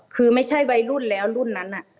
คือไม่ใช่วัยรุ่นแล้วรุ่นนั้น